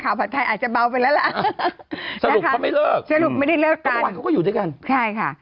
ข่าวพัดไทยอาจจะเบาไปแล้วละ